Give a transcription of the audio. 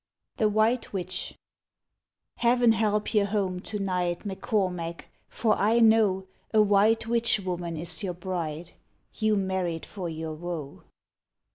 THE WHITE WITCH Heaven help your home to night, M'Cormac, for I know A white witch woman is your bride : You married for your woe.